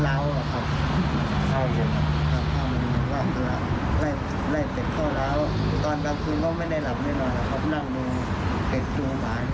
นั่งดูเจ็บดูหมาดู